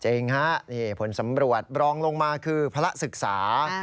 จริงฮะนี่ผลสำรวจบรองลงมาคือพระศึกษา